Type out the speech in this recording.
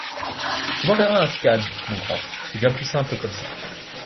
Tu m’enverras un scan, mon grand, c’est bien plus simple comme ça.